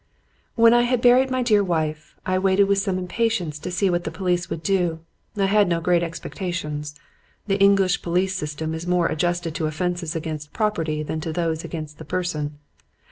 "When I had buried my dear wife, I waited with some impatience to see what the police would do. I had no great expectations. The English police system is more adjusted to offences against property than to those against the person.